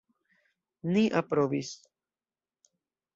Ni aprobis.